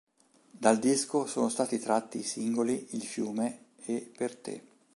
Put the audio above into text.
Dal disco sono stati tratti i singoli "Il fiume" e "Per te".